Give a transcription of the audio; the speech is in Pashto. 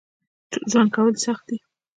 ژوند کول سخت دي